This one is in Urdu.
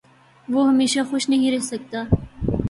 وہ ہمیشہ خوش نہیں رہ سکتا